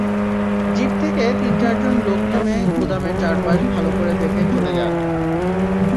Zip থেকে তিন-চারজন লোক নেমে গুদামের চারপাশ ভালো করে দেখে চলে যান।